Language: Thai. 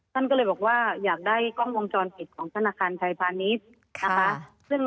ท่านก็เลยบอกว่าอยากได้กล้องวงจรปิดของธนาคารไทยพาณิชย์นะคะ